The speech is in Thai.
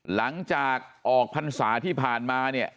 หลังจากออกพรรษาที่ผ่านมาเนี่ย